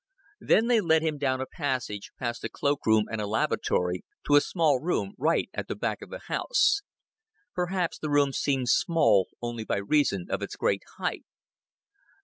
Then they led him down a passage, past a cloak room and a lavatory, to a small room right at the back of the house. Perhaps the room seemed small only by reason of its great height.